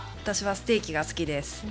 私はステーキが好きです。